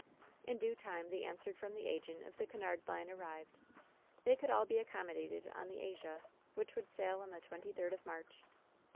In due time the answer from the agent of the Cunard line arrived. They could all be accommodated on the Asia, which would sail on the twenty third of March.